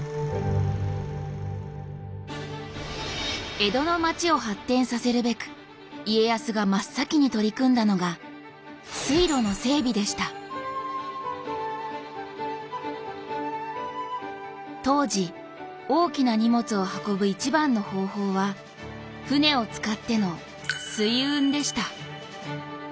江戸の町を発展させるべく家康が真っ先に取り組んだのが当時大きな荷物を運ぶ一番の方法は船を使っての水運でした。